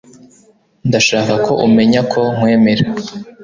Ndashaka ko umenya ko nkwemera.